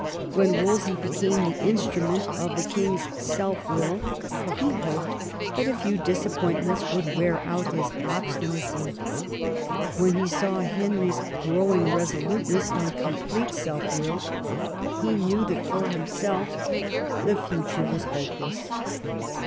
When Wolsey became the instrument of the king's self will, he hoped that a few disappointments would wear out his obstinacy ; when he saw Henry's growing resoluteness and complete self will he knew that for himself the future was hopeless.